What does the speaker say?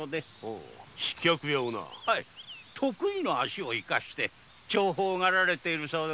得意の足を生かして重宝がられておるようで。